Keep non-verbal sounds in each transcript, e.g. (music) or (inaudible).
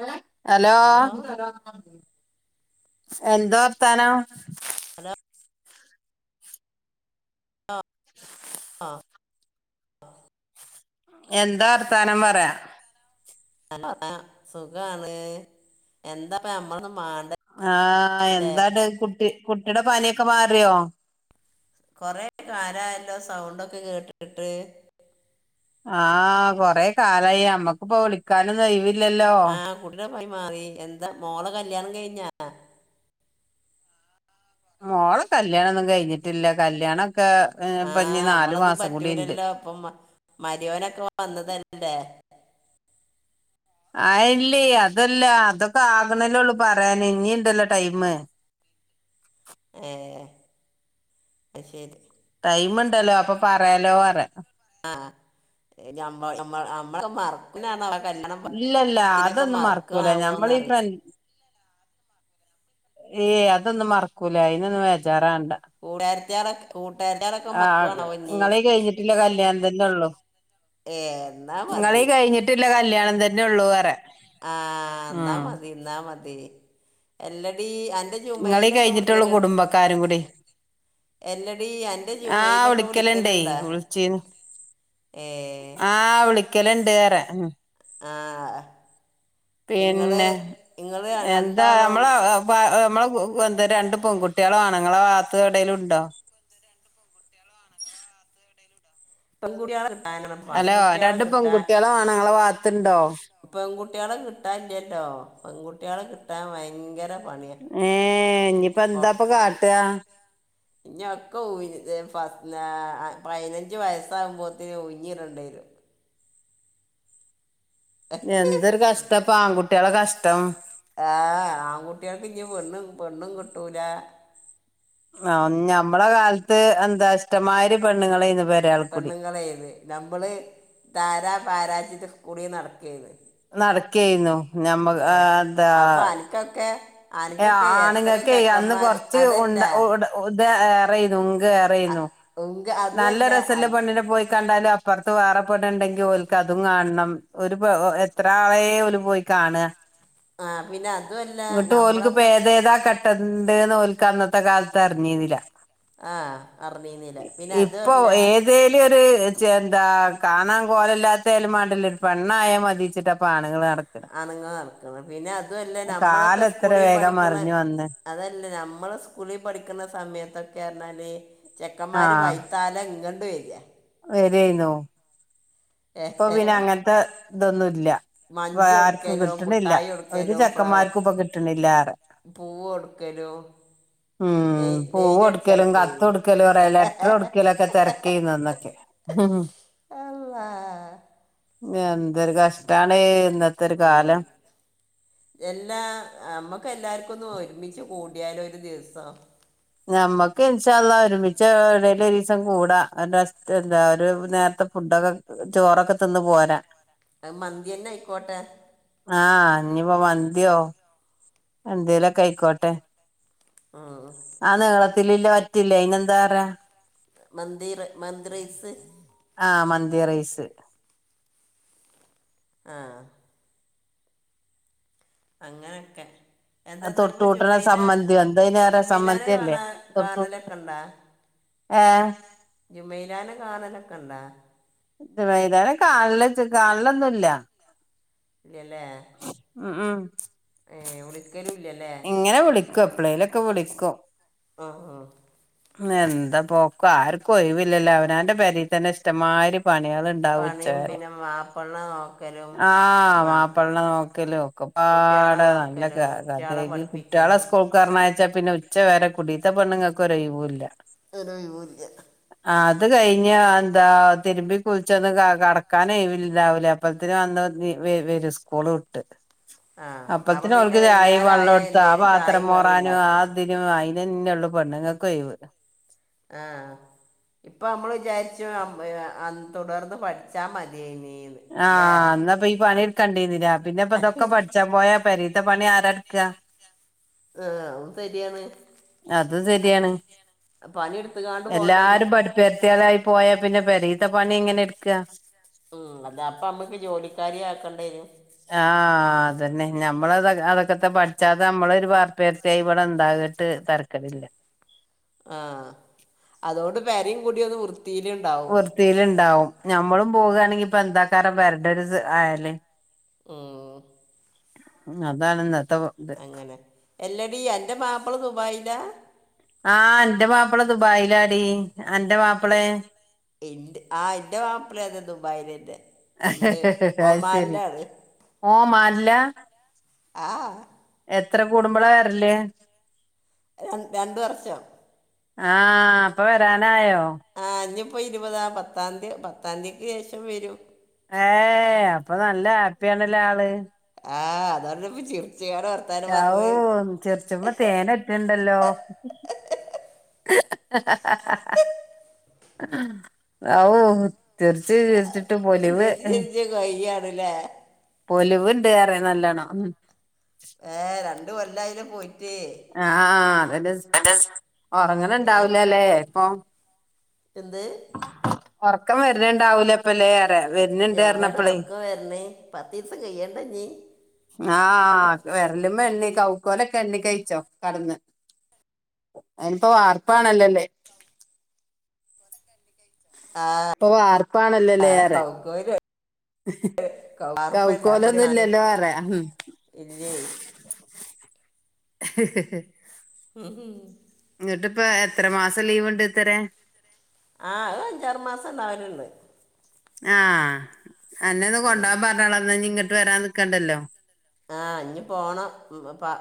ഏഹ് hello എന്ത വർത്താനം hello ആ ആ (unintelligible) എന്താ വർത്താനം പറ ഹലോ സുഖാണ് എന്താപ്പ നമ്മള ആഹ് എന്താട്കുട്ടി കുട്ടിയുടെ പനിയൊക്കെ മാറിയോ കൊറെ കാലായല്ലോ സൗണ്ടൊക്കെ കേട്ടിട്ട് ആഹ കൊറെ കാലായി അമ്മക്പ്പോ വിളിക്കാനൊന്നും ഒഴി ഇല്ലല്ലോ? പൈ മാറി എന്താ മോളെ കല്യാണം കഴിഞ്ഞാ മോളെ കല്യാണൊന്നും കഴിഞ്ഞിട്ടില്ല കല്യാണം ആഹ നമ്മളൊന്നും ഉണ്ട് പറ്റൂലല്ലോ അപ്പം മരോനൊക്കെ വന്നതന്നല്ലേ ആ ഇല്ലേ അതല്ല അതൊക്കെ ആകുന്നല്ലേള്ളു പറയാൻ ഇനി ഇണ്ടല്ലോ ടൈമ് ഏ അത് ശരി ടൈമുണ്ടല്ലോ അപ്പൊ പറയാലോ പറ ആമ്മ മറക്ക (unintelligible) ഇല്ലല്ല അതൊന്നും മറക്കൂല ഞമ്മളീ പ്ര മറക്കുവാണാവോന്നറിയാം ഏ അതൊന്നും മറക്കൂല ഇതിനൊന്ന് വേചാറാകണ്ടാ കൂട്ടുകാരത്തിയാളൊക്കെ കൂട്ടുകാരത്തിയാളൊക്കെ ആ മറക്കുവാണാവോ ഇനി നിങ്ങളീ കഴിഞ്ഞിട്ടില്ല കല്യാണംന്തന്നള്ളു ഏ, എന്നാ നിങ്ങളീ മതി കഴിഞ്ഞിട്ടില്ല കല്യാണത അതന്നെ ഉള്ളൂ അറാ ആ എന്നാ മതി എന്നാമതി അല്ലടീ അ നിങ്ങളീ കഴിഞ്ഞിട്ടുള്ളൂ കുടുംബക്കാരും കൂടി എല്ലടി അൻ്റെ ആ ജുമയിലൊക്കെ വിളിക്കല് ണ്ടേ വിളിക്കലുണ്ടാ വിളിച്ചീന്ന് ഏ ആ വിളി ക്കലണ്ട് അറാ ഉ ആ ഇങ്ങള് പിന്നെ ഇങ്ങള് എന്താ രണ്ടാളും നമ്മള നമ്മള കൂ എന്താ രണ്ട് പെൺകുട്ടികളെ വണംങ്ങള ഭാത്ത് എവിടേലും ഉണ്ടോ? പെങ്കുടിയോളെ കി ഹലോ രണ്ട് പെൺകുട്ടിയോളെമാണം ങ്ങള വാ ത്ത് ണ്ടോ പെൺകു കുട്യ ളെ കിട്ടാൻ ഇല്ലല്ലോ പെൺകുട്ട്യളെകിട്ടാൻ ഭയങ്കര പണിയാ ഏ ഇഞിപ്പ എന്താപാകാട്ടാ? ഇഞ്ഞൊക്കെ ഊഞ്ഞ പതിനഞ്ച് വയസ്സഉമ്പോതന് ഉയിഞ്ഞിടേണ്ടിവരും എന്തൊരു കഷ്ടം പ്പം ആൺകുട്ടി ളെ കഷ്ടം ആ ആൺകുട്ടികൾക്ക് ഇനി പെണ്ണും പെണ്ണും കിട്ടൂല ആ ഞമ്മള കാലത്ത് എന്താ ഇഷ്ടമാതിരി പെണ്ണുങ്ങളെ ഞ്ഞു പെണ്ണുങ്ങളെത് നമ്മള് താരാ പാരജിതർ കൂടി നടക്കേയ്ന് നടക്കായിന്നു ഞമ്മ എന്താ അപ്പൊ അനക്കൊക്കെ അനക്കൊക്കെ എത്ര ആണുങ്ങക്കേ അന്ന് ചെക്കന്മാര് കൊറച്ച് അതല്ല ഉണ്ട ഇത് ഏറെയുന്നു ഹുക്ക് അ- ഏറെയുന്നു ഉങ്ക നല്ല അതുമല്ല രസല്ല അൻ- പണ്ണിനെ പോയി കണ്ടാലും അപ്പുറ വേറെ പെണ്ണ്ണ്ടെങ്കിൽ ഓലക്ക് അതും കാണണം ഒരു എത്ര ആളെ ഓല പോയി കാണ ആ പിന്നെ അതു അല്ല ട്ട് ഓല് ക്ക് ഇപ്പോ ഏതേതാ കെട്ട ണ്ടേന്ന് ഓൽക്ക് അന്നത്തെ കാലത്ത് അറിഞ്ഞി ന്നില്ല ആ അറിഞ്ഞീന്നില്ല പിന്നെ അതുല്ല ച്ച് ന്താ കാണാൻ കോലല്ലാത്ത യാലുംമാണ്ടില്ല ഒരു പെണ്ണായ മതിച്ചിട്ടാപ്പ ആണുങ്ങള് നടക്കണ് അണുങ്ങള്നടക്ക്ണ പിന്നെ അതു അല്ല നമ്മളൊക്കെ കാലം എത്ര സ്കൂളിൽ വേഗം പഠിക്കുന്ന മറിഞ്ഞു വന്ന് അതല്ലേ നമ്മെ സ്കൂളിൽ പഠിക്കുന്ന സമയത്തൊക്കെ എന്നെ ചെക്കന്മാർ വൈത്താല ഇങ്ങൾ ണ്ട് വയ്യ വരയിന്നോ ഇപ്പൊ പിന്നെ ഏഹ് അങ്ങനത്തെ ഇതൊന്നുംല്ല ഇപ്പൊ മഞ്ച് ആർക്കും കൊടുക്കലും കിട്ടണില്ല മുട്ടായി ഒരു കൊടുക്കലും ഫ്ലവർ ചെക്കന്മാർക്കും ഇപ്പൊ കിട്ടണില്ല ആറെ പൂവ് കൊടുക്കലും ഉം ലൈ- പൂവ ലൈൻ കൊടുക്കലും കത്ത് അടിച്ചടക്കരുത് കൊടുക്കലും പറ ലെറ്റർ കൊടുക്കലൊക്കെ തിരക്ക ചെയുന്ന ഒന്നൊക്കെ ആഹ് അള്ളാ എന്തൊരു കഷ്ടാണ് ഇന്നത്തെ ഒരു ഓ കാലം എല്ലാ നമ്മക്ക് എല്ലാർക്കും ഒന്നും ഒരുമിച്ച് കൂടി യാലോ ഒരു ദിവസം ഒര് ദിവസം കൂടാ എന്താ ഒരു നേരത്തെ ഫുഡൊക്കെ ചോറൊക്കെ തിന്ന പോരാ അ മന്തിന്നെ ആയിക്കോട്ടെ ആഹ് ഇനിപ്പോ മന്തിയോ അന്തേലൊക്കെ അയ്ക്കോട്ടെ ആഹ് ലില്ല പറ്റില്ല അന് എന്താ പറ മന്തി മാന്തിറൈസ് ആഹ് മന്തി റൈസ് ആഹ് അങ്ങനൊക്കെ എന്താർപ്പ തൊട്ടൂട്ടണ ജുമയില സമ്മന്തിയോ എന്താ അയിന് പറയാ ജുമയിലാനെ സമ്മന്തിയല്ലേ കാണാ തൊട്ടൂട്ട കാണലൊക്കെ ഉണ്ടാ ഏഹ് ജുമയിലാനെ കാണലൊക്കെ ഉണ്ടാ കാണ കാണലൊന്നുംല്ല ഇല്ലല്ലേ ഉം ഉം ഏ ഓള് ഇങ്ങനെ വിളിക്കു എപളേയിലൊക്കെ വിളി ക്ക ആഹ് ആ എന്താ പോക്കും ആർക്കും ഒഴവില്ലല്ലോ അവനാന്റെ പരി തന്നെ ഇഷ്ടമാരി പണികൾ ഇണ്ടാവും പണിയും ഉച്ചരെ പിന്നെ മാപ്പിളനെ നോക്കലും ആഹ ആ മാപ്പള്ള നോക്കല ഒക്കെ കുട്ടികളെ പാടെ നല്ല നോക്കലും കഥ കുട്ടികളെ കുട്ടികളെ പഠിപ്പിക്കലും സ്കൂൾക്കർനേ പിന്നെ ഉച്ച വരെ കുടീത്ത പണ്ണുങ്ങൾക്ക കുറയും അല്ല ഒരു ഒയ് വുല അത് കഴിഞ്ഞ എന്താ തിരുമ്പി കുളിച്ചൊന്ന് ക കടക്കാൻഴില്ല രാവലെ അപ്പഴത്തിും വന്ന് വ സ്കൂള് ഇട്ട് ആ അപ്പം അപ്പത്തി പിന്നെ ഓൾക്ക് വൈകുന്നേരം ചായേംവെള്ളം ആയാൽ എടുത്ത് ആ എന്തേലും പാത്രം ചായയും കടിയും മോറാനും ആ ഉണ്ടാക്കണം അതിനും അയി പിന്ന നിന്നെയള്ളു പെണ്ണ്ങ്ങ കൊയിവ് ആഹ് ഇപ്പൊ നമ്മൾ വിചാരിച്ചു തുടർന്ന് പഠിച്ചാ മതിയേനി ആഹ് അന്നപ്പ ഈ പണിടു കണ്ടിന്നില്ല പിന്നെ ഇപ്പ ആഹ് ഇതൊക്കെ പഠിച്ചാൻ പോയാ പരീത്ത പണി ആരാ ക്ക ആഹ അും ശരിയാണ് അത് ശരിയാണ് പണിയെടുത്തുകാണ്ട് പോകേണ്ടി വരും എല്ലാരും പഠിപ്പടുത്തിയതായി പോയാ പിന്നെ പെരീത്ത പണി ഇങ്ങനെ എടുക്കാ ഉം അത അപ്പൊ അമ്മക്ക് ജോലിക്കാരി ആക്കേണ്ട വരും ആഹ് അതന്നെ നമ്മൾത അതൊക്കെത്തെ പഠിച്ചാത്ത നമ്മളൊ ഒരു വാർത്ത വർത്തി ഇവിടെ ഇണ്ടാകിട്ട് തരക്കടില്ല ആഹ അതുകൊണ്ട് പരയും കൂടിയ ഒന്ന് വൃ വൃത്തിയിലുണ്ടാവും ഞമ്മളും പോവുകയാണെങ്കി ഇപ്പൊ എന്താ ക്കാരം പെരന്റെരു ആല് ഓ ഉ അതാ ആനന്ദ ത്തത് എല്ല ഡടി അന്റെ മാപ്പിള് ദുബായില്ല ആഹ എന്റെ മാപ്പിള ദുബായിലാടി അന്റെ പാപ്പിള എ ആ എന്റെ വാപ്പിള ദുംബായലറെ അത് ശരി ഓമാല്ല ആഹ് എത്ര കൂടുമ്പോള വറല് രണ്ടുവർഷം ആഹ അപ്പൊ വരാനായോ ആഹ് ഇപ്പൊ ഇരുപതാ പത്താംതിയതിക്ക് ശേഷം വരും ഏ അപ്പൊ നല്ല ഹാപ്പിയ ആണല്ലേ ആള് ആഹ് അത അവടെപ്പചീറ രാവു ചെറിച്ച് തേൻറ്റുണ്ടല്ലോ ഔ തീർച്ച് ചിരിച്ച് വയ്യ അല്ലോ എലിവുണ്ട് വേറെ നല്ലോണം ച്ചി എന്തോ വല്ലായിക പോലെ ആ അതല്ലാതെ ഉറങ്ങണ് ഏ ഉണ്ടാവൂലല്ലോ ഇപ്പൊ എന്ത് ഉറക്കം വരുന്നുണ്ടാവും അല്ലോ അപ്പോഴല്ലേ എവിടെ വരുന്നിണ്ടായിരിന്നപ്പോഴോ ഉറക്കം വരണേ പത്ത് ദിവസം കഴിയണ്ട നീ ആഹ വരല്ലുണ്ടോ കൗക്കോലൊക്കെ ഉണ്ടിക്കയ് ച്ചോ കടന്ന് അതിനിപ്പോ വാർപ്പാണല്ലല്ലേ ഇപ്പൊ വാർപ്പാണല്ലല്ലേ ആ ഏറെ കൗക്കോല് കൗർപ്പല്ല അപ്പൊ ഒരു കൗക്കോലൊന്നും ആണ്. ഇല്ലല്ലോന്ന് പറഞ്ഞയ ഉം ഇല്ലേ ഉം ഹും എന്നിട്ടിപ്പോ എത്ര മാസം ലീവ് ഉണ്ട് അത്രേ ആഹ് അത് അഞ്ചാറ് മാസം ഇണ്ടാവലുണ്ട് ആഹ് എന്നെ ഒന്ന് കൊണ്ടോവാൻ പറഞ്ഞുള്ളങ്ങട്ട് ഇ വരാൻ നിക്കാണ്ടല്ലോ ആഹ് ഇനി പോണം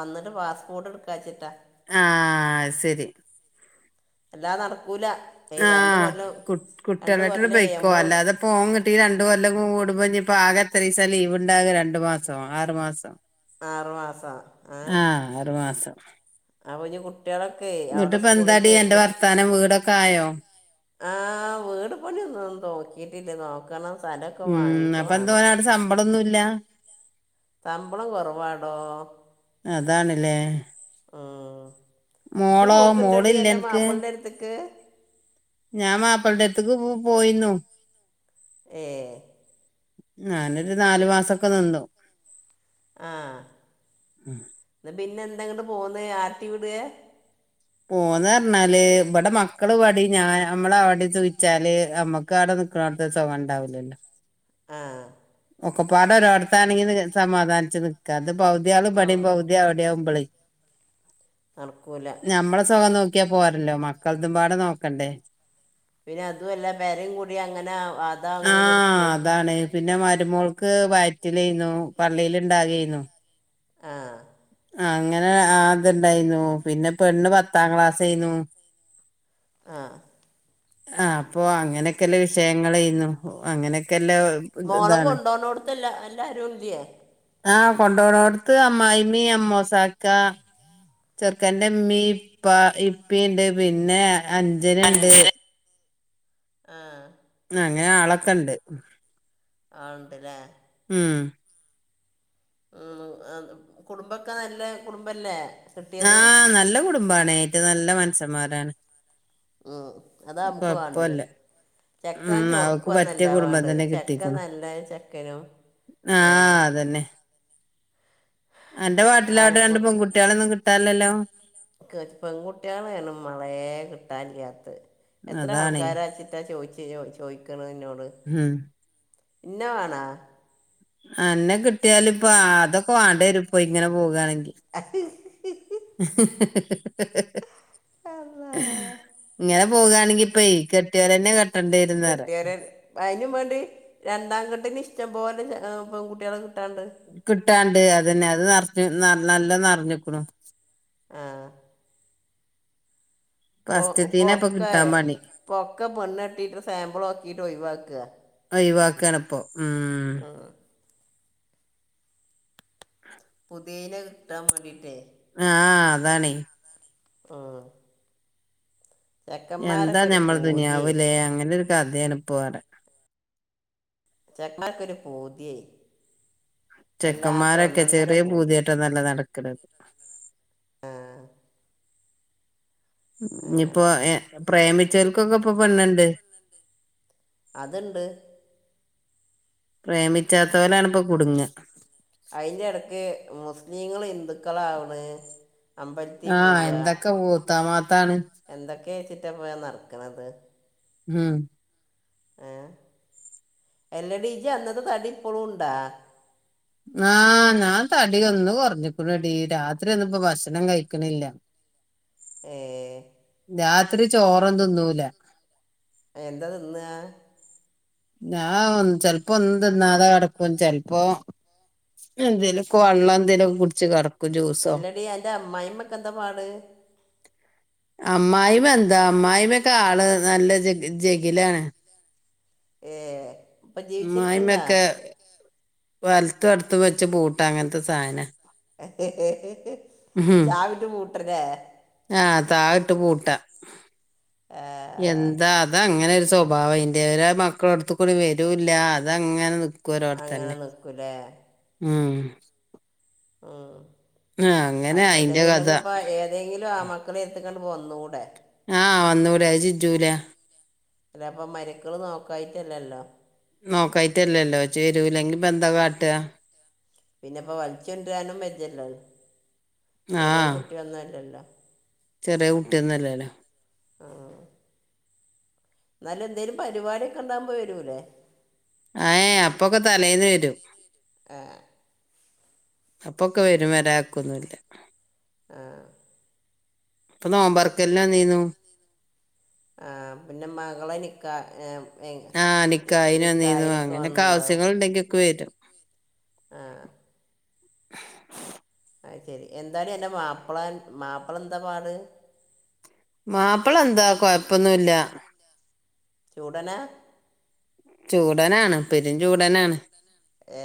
വന്നിട്ട് പാസ്പോർട്ട് എടുക്കാച്ചിട്ടാ ആഹ് ശരി എല്ലാം നട ആഹ് രണ്ട് കുട്ടികളായിട്ട് കൊല്ലേ പൊയ്ക്കോ നമ്മളെ വിട്ട് അല്ലാതെ പോങ്ങട്ടി രണ്ട് കൊല്ലം ഓഹ് ഇവിടെ ഇനിപ്പ ആകേ എത്ര ദിവസം ലീവ് ഇണ്ടാകോ രണ്ട് മാസം ആറ് മാസം ആറുമാസം ആഹ് ആറുമാസം അപ്പോ ഇനി കു ഇങ്ങട്ട് ഇപ്പോ എന്താടി എന്റെ വർത്താനം വീടൊക്കെ ആയോ ആഹ് വീട് പണിയൊന്നും നോക്കിയിട്ടില്ല നോക്കണം സ്ഥലമൊക്കെ ഉം വാങ്ങിയിട്ട് അപ്പൊ വേണം എന്തോനെ അവിടെ ശമ്പളൊന്നുല്ല ശമ്പളം കുറവാടോ അതാണ്ല്ലേ ഉം. ഇജ്ജ് മോളോ പോക്ക്ണ്ടടി മോളില്ല എന്റെ അനക്ക് മാപ്പിളിന്റെ അടുത്തേക്ക് ഞാൻ മാപ്പിളുടെ അടുത്ത്ക്ക് പോയിന്നു ഏ ഞാനൊരു നാലു മാസൊക്കെ നിന്നു ആഹ് പിന്നെ എന്താ അങ്ങട്ട് പോന്നേ ആരട്ടി വീട പോന്ന് പറഞ്ഞാല് ഇവിടെ മക്കള് പാടി ഞാൻ നമ്മള് അവിടെ ചോദിച്ചാല് അമ്മക്ക് അവിടെ നിക്കണടത്തെ സുഖം ഉണ്ടാവില്ലല്ലോ ആഹ് ഒക്കെപ്പാടം ഒരോടത്താണെങ്കിൽ സമാധാനിച്ച് നിക്കാ അത് പകുതിയാള് ഓ ഇവിടെയം പകുതി അവിടെയാവുമ്പോളെ - നടക്കൂല ഞമ്മളെ സുഖം നോക്കി ക്ക പോറല്ലോ മക്കളതുംമ്പാട് നോക്കണ്ടേ പിന്നെ അതുംമല്ല പെരയും കൂടി അങ്ങനെ അതാ അങ്ങനെ കെടുക്കും പിന്നമാറി വരുമ്പോൾക്ക് വാറ്റിൽന്നുന്നു പള്ളിൽ ഇണ്ടാകന്നു ആഹ അങ്ങനെ അത്ണ്ടായിരുന്നു പിന്നെ പെണ്ണ് പത്താം ക്ലാസ് ആഹ ആ അപ്പൊ അങ്ങനൊക്കെല്ല വിഷയങ്ങ ചെയുന്നു അങ്ങനക്കെ മോളക്ക കൊണ്ടപോന്നോടുത്തെല്ലാ എല്ലാരും ഇതിയേ ആഹ് കൊണ്ടോരോടുത്ത് അമ്മായിഅമ്മ അമ്മസക്ക ചെറുക്കന്റെമ്മീ ഇപ്പ ഇപ്പണ്ട് പിന്നെ അച്ഛനുണ്ട് ആഹ അങ്ങനെ ആളൊക്കെ ഇണ്ട് ആ ഉണ്ട്ല്ലേ ഉം ഉ കുടുംബൊക്കെ നല്ല കുടുംബല്ലേ ആഹ് നല്ല കുടുംബണ നല്ല മനസ്സന്മാരാണ് ഉം അതാ നമുക്ക് വേണ്ടത് ചെക്കൻ ഉം അവക്ക് പറ്റിയ ചൊറുക്കൊന്നല്ല കുടുംബം വേണ്ടത് തന്നെ ചെക്കൻ കിട്ടിക്ക നല്ല ചെക്കനും ആഹ അതന്നെ എന്റെ വാട്ടിലാവിട്ട രണ്ട് പെൺകുട്ടികള കട്ടാലല്ലോ പെൺകുട്ടികളാണ് മളയെ കിട്ടാലാത്ത് എത്ര അതാണേ ആൾക്കാര അച്ചിട്ടാ ചോദിച്ച ഇയ്യോ ചോദിക്കണാ എന്നോട് ഉം ഇന്ന വേണാ ആ എന്നാക്കിട് കുത്തിയാലിപ്പ അതൊക്കെ അടെ രും ഇപ്പോ ഇങ്ങനെ പോകുകണെങ്കി ഇഹി (unintelligible) അല്ലാ. ങ്ങനെ പോകയാണെങ്കി ഇപ്പീ കെട്ടിയോനെ ന്നെ കെട്ടിയരെ അതിന് വേണ്ടി രണ്ടാം കെട്ടിനിഷ് ഇഷ്ടം പോലെ പെൺകുട്ടികളെ കിട്ടാണ്ട് കിട്ടാണ്ട് അതന്നെ അത് നിറഞ്ഞു നല്ല നല്ലന്ന് അറിഞ്ഞിപ്പഴൊ ആ പൊ ഫസ്റ്റ്ത്തീനെ ഇപ്പൊ പൊക്കയെ കിട്ടാൻ പണി പൊക്ക പെണ്ണ ട്ടീട്ടെ സാമ്പിൾ നോക്കിട്ട് ഒഴയി വാക്ക കറപ്പോ ആ ഹ് പുതീന കിട്ടാൻ വേണ്ടീട്ടേ ആഹ് ആഹ് അതാണെ ആഹ് എന്താ പൂതിയേ ഞമ്മദുനിയാവിലെ അങ്ങനൊരു- ചർദ്യേനി ഇപവടെ ചെക്കാക്കൊരു പൂതിയേ വല്ലാത്ത ചെക്കന്മാരൊക്കെ ഒന്നൊന്നര ചെറിയ പൂതി പൂതിയായിട്ടൊന്നല്ല നടക്ണത്. ആഹ് ഇതിപ്പോ അങ്ങനൊക്കെ ഏഹ് പ്രേമി ചെലൽക്കൊക്കപ്പം പെണ്ണ് ണ്ട്. അത് ണ്ട്. പ്രേമിച്ചാത്തോലാണിപ്പൊ കുടുങ്ങാ അയിന്റെ എടക്ക് മുസ്ലിങ്ങള് ഹിന്ദുക്കളാവ്ണ്. ആഹ് എന്തൊക്കെ ഊത്താമാത്താണ്. ക്കേച്ചിട്ടപ്പ ഞ നടക്കണത്. ഉം ഏഹ് എല്ലടി ജ്ജ് അന്നത്തെ തടിപ്പളും ഇണ്ടാ? ആഹ് ഞാൻ തടി എന്നു കൊർഞ്ക്ണെടീ രാത്രി ഒന്നും പ്പോ ഭക്ഷണം കഴിക്ണില്ല. ഏഹ് രാത്രി ചോറന്നും തിന്നൂല. എന്താ തിന്നാ? ഞാ ചെലപ്പോ ഒന്നും തിന്നാതെ കെടക്കും. ചെൽപ്പോ എന്തേലൊക്ക വള്ളം എന്തേലൊക്ക കുടിച്ച് കട് എല്ല ടീ അൻ്റെ അമ്മായിമ്മക്കെ ന്താ പാട്? അമ്മായിമ എന്താ അമ്മായിമ്മക്കെ ആള് നല്ല ജഗി ജഗിലാണ്. ഏഹ് മായ്മൊക്കെ വലത്തൂ അടുത്ത് വെച്ച് ബൂട്ടങ്ങനത്തെ സാനാ ചാവിട്ട് പൂ ട്ട്ല്ലേ ആഹ് താഴിട്ട് പൂട്ടാ ഏ, എന്താ അതാ അങ്ങനൊരു സ്വഭാവം ഇന്റെരാ മക്കള അടുത്ത് കൂടി വരൂല്ല അതങ്ങനെ നി അങ്ങനെ കോരോർത്തന്നെ നിക്കൂലേ മ്ഹ് മ് ആ, അ അങ്ങനെ അയിന്റെ കഥ അല്ലെങ്കിലിപ്പ ഏതെങ്കിലും ആമ്മ മക്കള എര്ത്ത്ക്കാണ്ട് വന്നൂടെ ആഹ് വന്നൂടെ അഅ് ചെജ്ജൂല അല്ല അപ്പ മരക്കള് നോക്കായിട്ടല്ലല്ലോ നോക്കായിട്ടല്ലല്ലോ ചേരൂല്ലെങ്കി പ്പ ന്താ കാട്ട പിന്നെപ്പോ വൽച്ചൊണ്ടരാനും ബേജ്ജല്ലോ ചെറിയ ആഹ് കുട്ടി ഒന്നുംല്ലല്ലോ ചെറിയ കുട്ടിയന്നല്ലല്ലോ ആ ന്നാലും എന്തേലും പരിവാടിയൊക്കെ ഉണ്ടാമ്പോ വരൂല്ലേ ഏ അപ്പൊക്കെ തലേന്ന് വരും ആ അപ്പൊക്കെ വരും വരാക്കൊന്നില്ല ആ ഇപ്പൊ നോമ്പർക്കൽന് വന്നീനു ആ പിന്നെ മകളെ നിക്കാ ഏ ആ നിക്കാഹിന് വന്നിനൂ അങ്ങനൊക്കെ വന്നിട്ടുണ്ടാവും ആവിസ്യങ്ങൾ ഉണ്ടെങ്കി ക്കെ വെരും. ആ (inaudible) ആ ശെരി എന്താടി ആന്റെ മാപ്പിള മാപ്പിള എന്താ പാട് മാപ്പിള എന്താ കൊഴപ്പൊന്നുല്ല ചൂടനാ ചൂടനാണ് പെരും ചൂടാനാണ്. ഏ